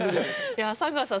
山川さん